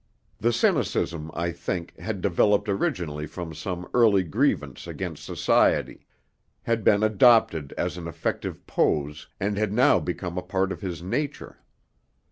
The cynicism, I think, had developed originally from some early grievance against Society, had been adopted as an effective pose, and had now become part of his nature.